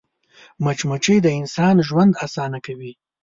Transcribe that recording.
مچمچۍ د انسان ژوند اسانه کوي